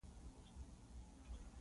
یوازې کم شمېر شپانه او کوچیان وو.